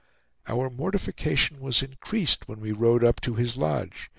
Our mortification was increased when we rode up to his lodge.